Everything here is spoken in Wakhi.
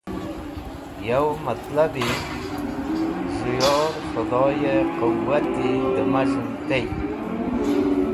Yo matlabi, z̃hũ yor “Khedhoyẽ” qẽwati dẽ maz̃hẽn tey.